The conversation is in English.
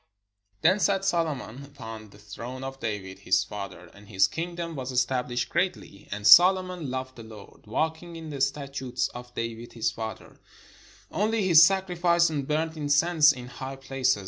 Then sat Solomon upon the throne of David his father; and his kingdom was estabHshed greatly. And Solomon loved the Lord, walking in the statutes of David his father: only he sacrificed and burnt incense in high places.